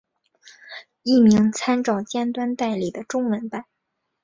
译名参照尖端代理的中文版。